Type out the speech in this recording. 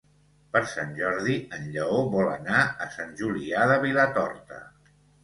Per Sant Jordi en Lleó vol anar a Sant Julià de Vilatorta.